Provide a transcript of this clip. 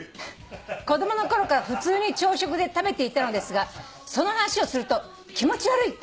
「子供の頃から普通に朝食で食べていたのですがその話をすると気持ち悪いと言われました」